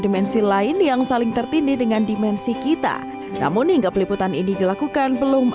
dimensi lain yang saling tertindih dengan dimensi kita namun hingga peliputan ini dilakukan belum